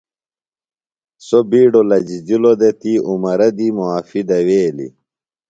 سو بیڈو لجِجِلوۡ دےۡ تی عمرہ دی معافیۡ دویلیۡ۔ عمرہ